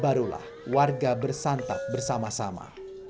barulah warga bersantap bersama sama